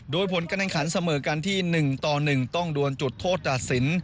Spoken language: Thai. ด้วยผลกระดานขันเสมอกันที่๑ต่อ๑ต้องรวมจุดโทษตัดสิน